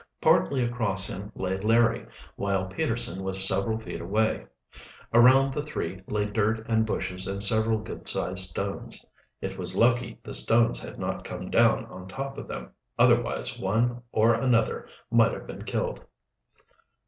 Partly across him lay Larry, while Peterson was several feet away. Around the three lay dirt and bushes and several good sized stones. It was lucky the stones had not come down on top of them, otherwise one or another might have been killed.